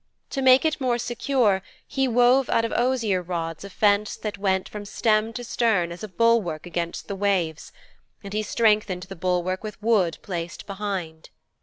To make it more secure, he wove out of osier rods a fence that went from stem to stern as a bulwark against the waves, and he strengthened the bulwark with wood placed behind.